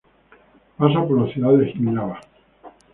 Pasa por la ciudad de Jihlava.